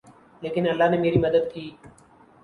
لیکن اللہ نے میری مدد کی